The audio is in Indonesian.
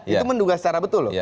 itu menduga secara betul loh